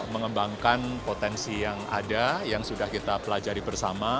mengembangkan potensi yang ada yang sudah kita pelajari bersama